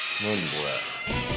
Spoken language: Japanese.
これ。